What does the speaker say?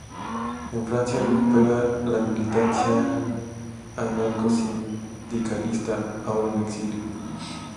En Francia recupera la militancia anarcosindicalista, ahora en exilio.